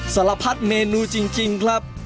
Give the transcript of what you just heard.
สารพัดเมนูจริงครับ